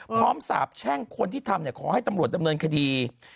สาบแช่งคนที่ทำขอให้ตำรวจดำเนินคดี